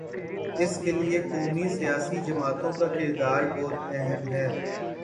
اس کے لیے قومی سیاسی جماعتوں کا کردار بہت اہم ہے۔